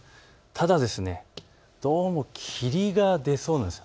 ただ、どうも霧が出そうです。